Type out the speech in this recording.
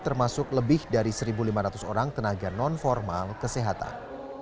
termasuk lebih dari satu lima ratus orang tenaga non formal kesehatan